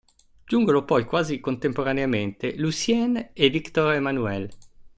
Giungono poi quasi contemporaneamente Lucienne e Victor-Emmanuel.